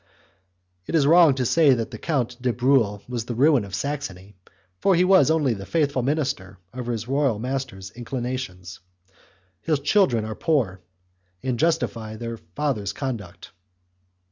It is wrong to say that the Count de Bruhl was the ruin of Saxony, for he was only the faithful minister of his royal master's inclinations. His children are poor, and justify their father's conduct.